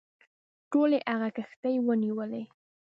ټولي هغه کښتۍ ونیولې.